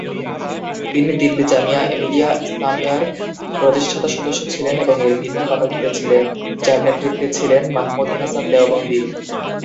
তিনি দিল্লি জামিয়া মিলিয়া ইসলামিয়ার প্রতিষ্ঠাতা সদস্য ছিলেন এবং এর ভিত্তি কমিটিতে ছিলেন, যার নেতৃত্বে ছিলেন মাহমুদ হাসান দেওবন্দী।